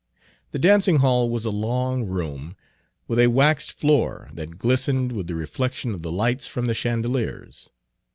The dancing hall was a long room, with a waxed floor that glistened with the reflection of the lights from the chandeliers.